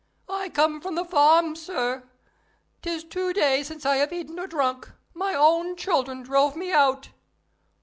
"I come from the farm, sir. 'Tis two days since I have eaten or drunk: my own children drove me out."